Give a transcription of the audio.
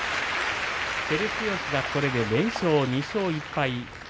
照強がこれで連勝２勝１敗。